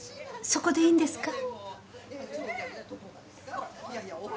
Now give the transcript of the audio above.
そこでいいんですか？